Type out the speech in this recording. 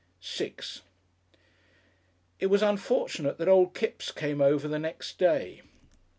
§6 It was unfortunate that old Kipps came over the next day.